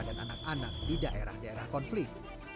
dan anak anak di daerah daerah konflik